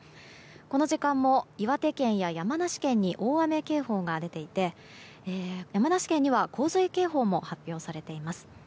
この時間も岩手県や山梨県に大雨警報が出ていて山梨県には洪水警報も発表されています。